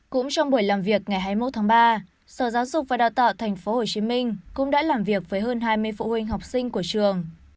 cũng trong buổi làm việc ngày hai mươi một tháng ba sở giáo dục và đào tạo tp hcm cũng đã làm việc với hơn hai mươi phụ huynh học sinh của trường